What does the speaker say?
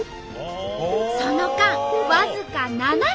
その間僅か７秒。